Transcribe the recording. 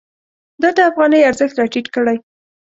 دا د افغانۍ ارزښت راټیټ کړی.